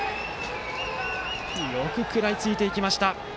よく食らいつきました。